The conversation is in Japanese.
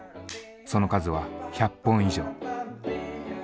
その数は１００本以上。